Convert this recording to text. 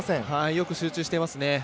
よく集中していますね。